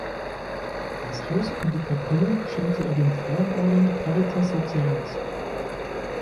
Das Haus und die Kapelle schenkte er dem Frauenorden Caritas Socialis.